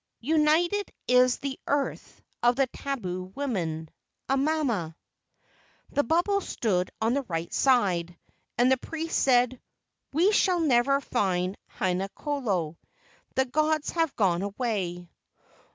United is the earth of the tabu woman. Amama." The bubbles stood on the right side, and the priest said, "We shall never find Haina kolo; the gods have gone away."